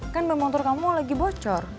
kan ban motor kamu lagi bocor